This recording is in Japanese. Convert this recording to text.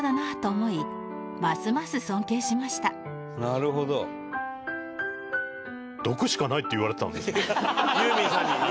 「なるほど」「毒しかない」って言われてたんですか？